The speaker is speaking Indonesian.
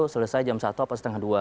selesai jam satu atau setengah dua